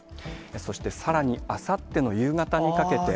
そしてさらにあさっての夕方にかけて。